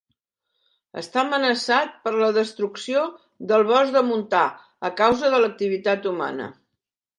Està amenaçat per la destrucció del bosc de montà a causa de l'activitat humana.